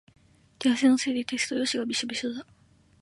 手汗のせいでテスト用紙がびしょびしょだ。